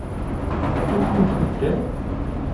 Wukud tedder?